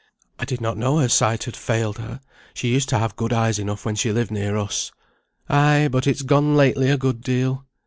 "I did not know her sight had failed her; she used to have good eyes enough when she lived near us." "Ay, but it's gone lately a good deal.